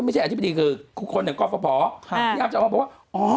ไม่ใช่อธิบายคือคนดังกองกรอบหอพยายามจะรู้ว่า